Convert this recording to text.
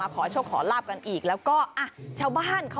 ไปขอพร